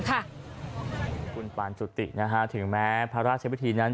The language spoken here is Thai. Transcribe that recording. คุณปานจุติถึงแม้พระราชพิธีนั้น